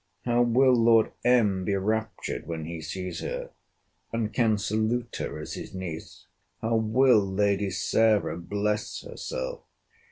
'How will Lord M. be raptured when he sees her, and can salute her as his niece! 'How will Lady Sarah bless herself!